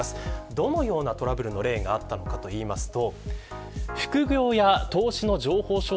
どのようなトラブルの例があったのかと言いますと。